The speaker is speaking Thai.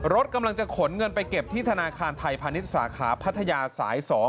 รถกำลังจะขนเงินไปเก็บที่ธนาคารไทยพาณิชย์สาขาพัทยาสาย๒